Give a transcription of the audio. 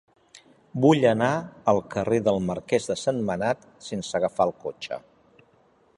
Vull anar al carrer del Marquès de Sentmenat sense agafar el cotxe.